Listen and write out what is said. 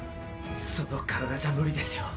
その体じゃ無理ですよ。